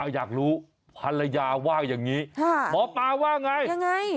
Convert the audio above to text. อยากรู้ภรรยาว่าอย่างนี้หมอปลาว่าไงยังไง